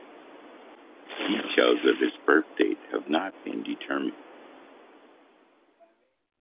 Details of his birth date have not been determined.